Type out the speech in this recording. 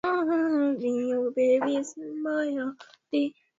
kutokana na maendeleo ya kijamii na viwandani